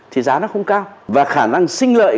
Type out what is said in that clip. thì giá nó không cao và khả năng sinh lợi